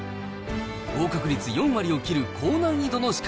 合格率４割を切る高難易度の資格。